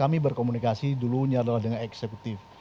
kami berkomunikasi dulunya adalah dengan eksekutif